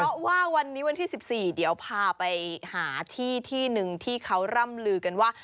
เพราะว่าวันนี้วันที่๑๔เดี๋ยวพาไปหาที่ที่หนึ่งที่เขาร่ำลือกันว่า